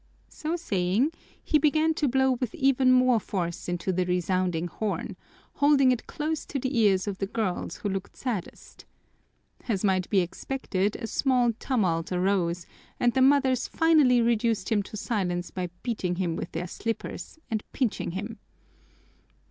So saying, he began to blow with even more force into the resounding horn, holding it close to the ears of the girls who looked saddest. As might be expected, a small tumult arose and the mothers finally reduced him to silence by beating him with their slippers and pinching him.